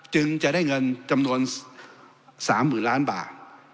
จึงจะได้เงินจำนวน๓๐๐๐ล้านบาท